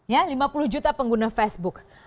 ya lima puluh juta pengguna facebook